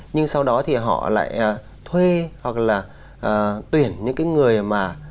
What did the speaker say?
nhưng sau đó thì họ lại thuê hoặc là tuyển những cái người mà